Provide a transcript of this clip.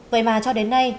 vậy mà cho đến nay